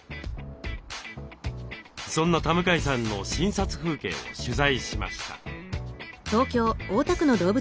そんな田向さんの診察風景を取材しました。